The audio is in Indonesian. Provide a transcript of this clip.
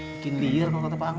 bikin dir kalau kata pak angma